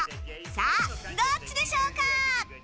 さあ、どっちでしょうか？